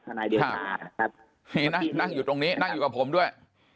คันายเดือนศาภาษณ์ที่นั่งอยู่ตรงนี้นั่งอยู่กับผมด้วย